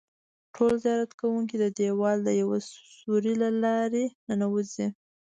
ټول زیارت کوونکي د دیوال د یوه سوري له لارې ننوځي.